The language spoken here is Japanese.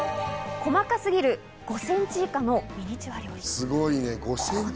細かすぎる５ｃｍ以下のミニチュア料理。